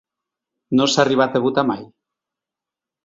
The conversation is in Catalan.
No s’ha arribat a votar mai.